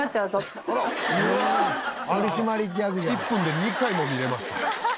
１分で２回も見れました。